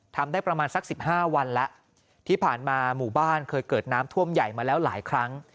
ทำได้ประมาณสัก๑๕วันแล้วที่ผ่านมาหมู่บ้านเคยเกิดน้ำท่วมใหญ่มาแล้วหลายครั้ง